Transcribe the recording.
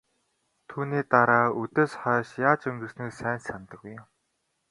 Түүний дараа үдээс хойш яаж өнгөрснийг сайн санадаггүй юм.